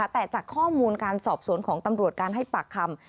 แต่จากข้อมูลการสอบสวนของตำรวจการให้ปากคำ